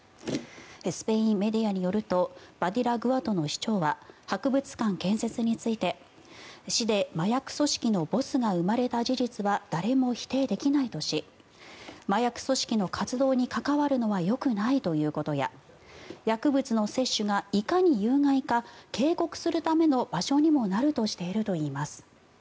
スペインメディアによるとバディラグアトの市長は博物館建設について、市で麻薬組織のボスが生まれた事実は誰も否定できないとし麻薬組織の活動に関わるのはよくないということや薬物の摂取がいかに有害か警告するための場所にもなるとしているといいます。